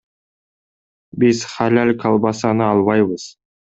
Биз халал колбасаны албайбыз.